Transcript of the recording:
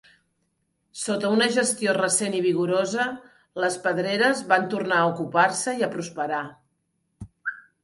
Sota una gestió recent i vigorosa, les pedreres van tornar a ocupar-se i a prosperar.